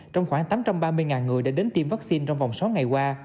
trong khoảng tám trăm ba mươi người đã đến tiêm vaccine trong vòng sáu ngày qua